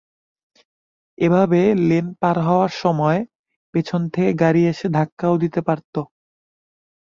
এভাবে লেন পার হওয়ার সময় পেছন থেকে গাড়ি এসে ধাক্কাও দিতে পারত।